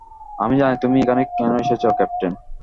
আমি জানি তুমি এখানে কেন এসেছ ক্যাপ্টেন।